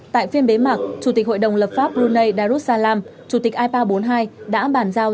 tại phiên bế mạc chủ tịch hội đồng lập pháp brunei darussalam chủ tịch ipa bốn mươi hai đã bàn giao